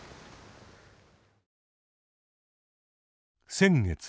先月。